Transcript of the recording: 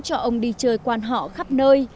cho ông đi chơi quán họ khắp nơi